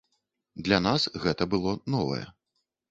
Для нас гэта было новае.